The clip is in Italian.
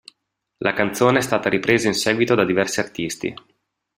La canzone è stata ripresa in seguito da diversi artisti.